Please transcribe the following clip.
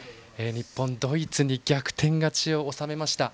日本、ドイツに逆転勝ちを収めました。